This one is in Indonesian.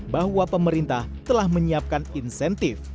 bahwa pemerintah telah menyiapkan insentif